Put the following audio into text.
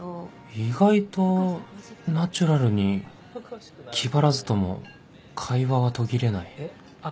意外とナチュラルに気張らずとも会話は途切れない